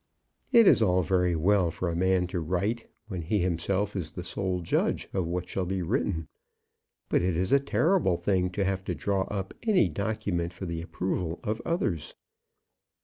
It is all very well for a man to write, when he himself is the sole judge of what shall be written; but it is a terrible thing to have to draw up any document for the approval of others.